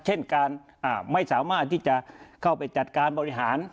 เช่นการไม่สามารถที่จะเข้าไปจัดการบริหาร